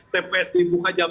tps dibuka jam tujuh